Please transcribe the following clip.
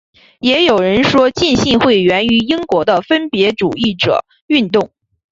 也有人说浸信会源于英国的分别主义者运动。